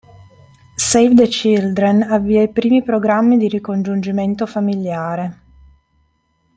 Save the Children avvia i primi programmi di ricongiungimento familiare.